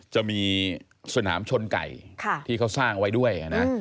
จะมีสนามชนไก่ที่เขาสร้างไว้ด้วยนะ